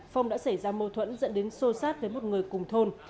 phong đã xảy ra mâu thuẫn dẫn đến xô xát với một người cùng thôn